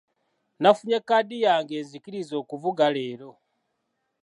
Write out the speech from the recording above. Nafunye kaadi yange enzikiriza okuvuga leero.